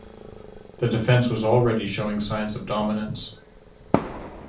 The defense was already showing signs of dominance.